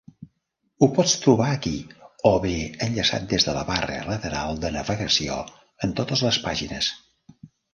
Ho pots trobar aquí, o bé enllaçat des de la barra lateral de navegació en totes les pàgines.